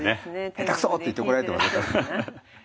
下手くそって言って怒られてます。